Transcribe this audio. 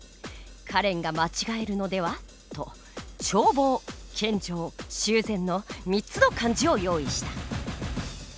「カレンが間違えるのでは？」と「眺望」「献上」「修繕」の３つの漢字を用意した。